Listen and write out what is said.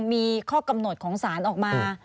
มีข้อกำหนดของสารออกมา